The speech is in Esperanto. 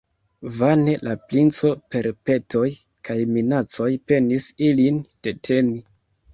Vane la princo per petoj kaj minacoj penis ilin deteni.